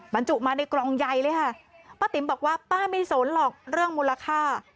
บรรจุมาในกล่องใหญ่เลยค่ะป้าติ๋มบอกว่าป้าไม่สนหรอกเรื่องมูลค่า